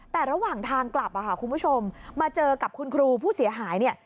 แต่ระหว่างทางกลับคุณผู้ชมมาเจอกับคุณครูผู้เสียหายเนี่ย